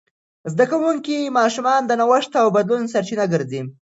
زده کوونکي ماشومان د نوښت او بدلون سرچینه ګرځي.